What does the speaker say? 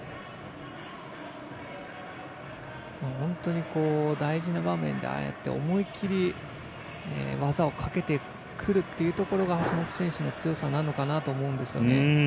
本当に大事な場面でああやって思い切り技をかけてくるというところが橋本選手の強さなのかなと思うんですよね。